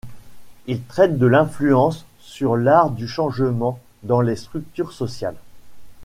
Il traite de l'influence sur l'art du changement dans les structures sociales.